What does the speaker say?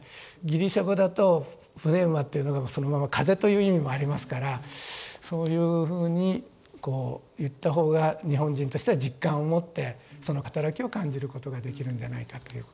ギリシャ語だと「プネウマ」というのがそのまま「風」という意味もありますからそういうふうにこう言った方が日本人としては実感をもってその働きを感じることができるんではないかという。